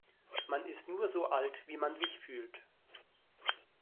Man ist nur so alt, wie man sich fühlt.